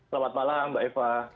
selamat malam mbak eva